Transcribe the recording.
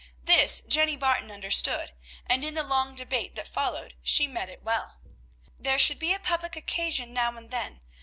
This, Jenny Barton understood; and in the long debate that followed she met it well. There should be a public occasion now and then.